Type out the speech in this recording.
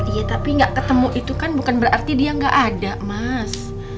iya tapi nggak ketemu itu kan bukan berarti dia nggak ada mas